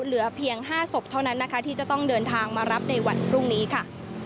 เหลือเพียง๕ศพเท่านั้นนะคะที่จะต้องเดินทางมารับในวันพรุ่งนี้ค่ะ